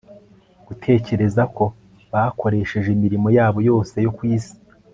gutekereza ko bakoresheje imirimo yabo yose yo ku isi